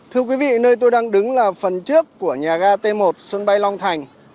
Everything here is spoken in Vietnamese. thưa quý vị nơi tôi đang đứng là phần trước của nhà ga t một sân bay long thành